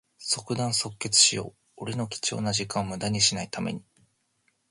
即断即決しよう。俺の貴重な時間をむだにしない為に。